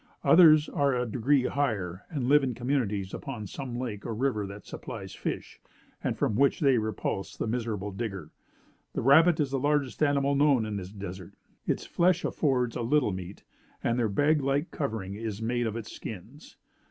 Others are a degree higher, and live in communities upon some lake or river that supplies fish, and from which they repulse the miserable digger. The rabbit is the largest animal known in this desert; its flesh affords a little meat; and their bag like covering is made of its skins.